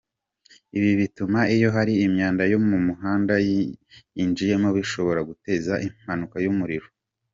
Ibi bituma iyo hari imyanda yo mu muhanda yinjiyemo bishobora guteza impanuka y’umuriro.